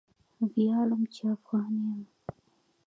ویاړم چې افغان یم!